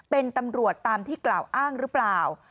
เป็นตำรวจตามที่กล่าวอ้างหรือเปล่า